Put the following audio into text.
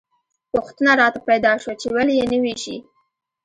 پوښتنه راته پیدا شوه چې ولې یې نه ویشي.